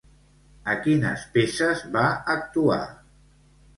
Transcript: A quines peces va actuar?